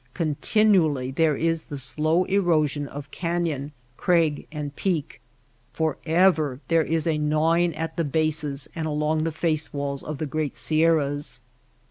Continually there is the slow erosion of canyon, crag, and peak ; forever there is a gnawing at the bases and along the face walls of the great sierras.